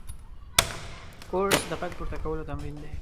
کورس د غږ پورته کولو تمرین دی.